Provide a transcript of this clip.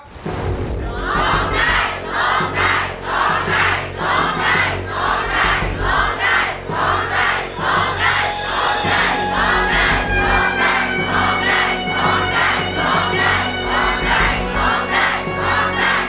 ร้องได้ร้องได้ร้องได้ร้องได้ร้องได้ร้องได้ร้องได้ร้องได้ร้องได้ร้องได้